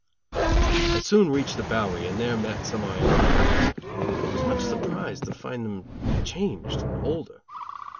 I soon reached the Bowery and there met some of my old pals; but was much surprised to find them changed and older.